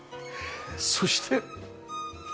そして。